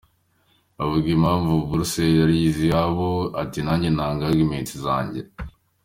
Bavuga impamvu bourses ari izabo, ati nanjye ntanga arguments zanjye.